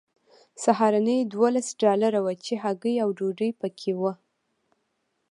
سهارنۍ دولس ډالره وه چې هګۍ او ډوډۍ پکې وه